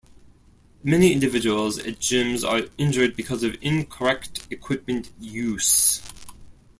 Many individuals at gyms are injured because of incorrect equipment use.